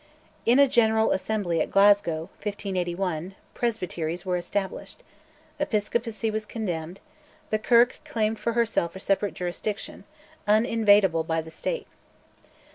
In a General Assembly at Glasgow (1581) Presbyteries were established; Episcopacy was condemned; the Kirk claimed for herself a separate jurisdiction, uninvadable by the State.